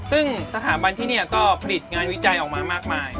ซึ่งสถาบันที่นี่ก็ผลิตงานวิจัยออกมามากมาย